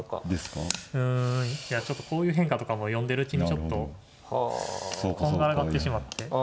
いやちょっとこういう変化とかも読んでるうちにちょっとこんがらがってしまって。